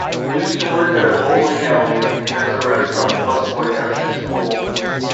Gleason worked at a bowling alley and as a restaurant busboy after school.